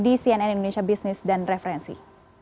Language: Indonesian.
di cnn indonesia business dan referensi